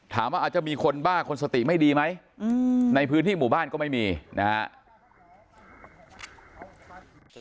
ถามว่าอาจจะมีคนบ้าคนสติไม่ดีไหมในพื้นที่หมู่บ้านก็ไม่มีนะครับ